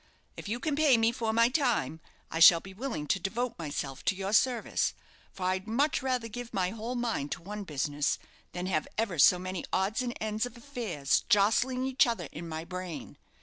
If you can pay me for my time, I shall be willing to devote myself to your service; for I'd much rather give my whole mind to one business, than have ever so many odds and ends of affairs jostling each other in my brain.